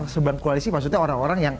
subang koalisi maksudnya orang orang yang